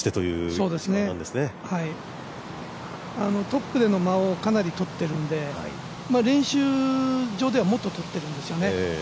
トップでの間をかなり取っているんで練習場ではもっと取ってるんですよね。